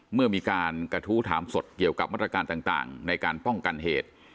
เมื่อมีการกระทู้ถามสดเกี่ยวกับมาตรการต่างในการป้องกันเหตุ